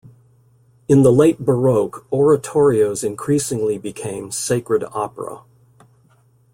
In the late baroque oratorios increasingly became "sacred opera".